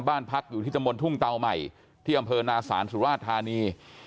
บ้านพักอยู่ที่ตำบลทุ่งเตาใหม่ที่อำเภอนาศาลสุราชธานี